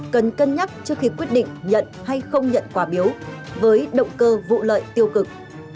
cần cân nhắc trước khi quyết định nhận hay không nhận quà biếu với động cơ vụ lợi tiêu cực